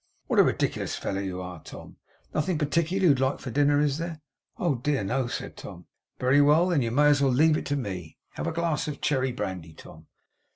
What a ridiculous fellow you are, Tom? Nothing particular you'd like for dinner, is there?' 'Oh dear no,' said Tom. 'Very well, then you may as well leave it to me. Have a glass of cherry brandy, Tom?